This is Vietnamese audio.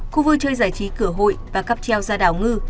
khu vui chơi giải trí cửa hội và cắp treo ra đảo ngư